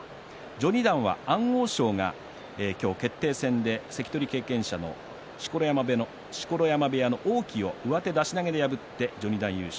序二段は安大翔が今日、決定戦で関取経験者の錣山部屋の王輝を上手出し投げで破って序二段優勝。